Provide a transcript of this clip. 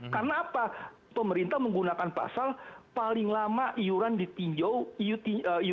karena apa pemerintah menggunakan pasal paling lama iuran ditinjau iuran ditinjau